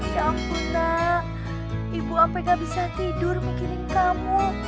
ya ampun nak ibu apga bisa tidur mikirin kamu